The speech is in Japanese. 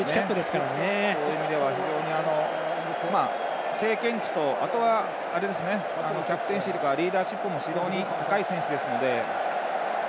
そういう意味では非常に経験値とあとはキャプテンシーとかリーダーシップとかも非常に高い選手ですので。